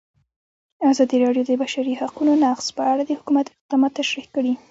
ازادي راډیو د د بشري حقونو نقض په اړه د حکومت اقدامات تشریح کړي.